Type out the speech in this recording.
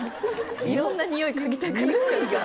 いろんなにおい嗅ぎたくなっちゃう。